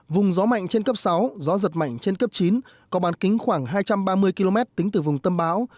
vùng gió mạnh trên cấp sáu gió giật mạnh trên cấp chín có bán kính khoảng hai trăm ba mươi km tính từ vùng tâm bão